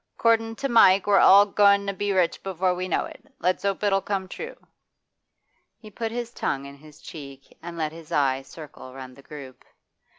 ''Cording to Mike, we're all goin' to be rich before we know it. Let's hope it'll come true.' He put his tongue in his cheek and let his eye circle round the group.